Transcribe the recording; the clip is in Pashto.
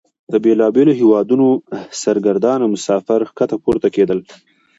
د بیلابیلو هیوادونو سرګردانه مسافر ښکته پورته کیدل.